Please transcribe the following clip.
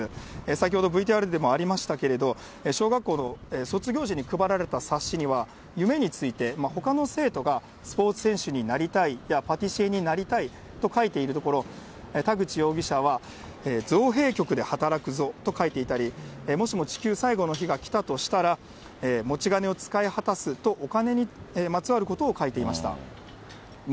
先ほど、ＶＴＲでもありましたけれども、小学校の卒業時に配られた冊子には、夢について、ほかの生徒がスポーツ選手になりたいや、パティシエになりたいと書いているところ、田口容疑者は、造幣局で働くぞと書いていたり、もしも地球の最後の日が来たとしたら、持ち金を使い果たすと、お金にまつわることを書いていました。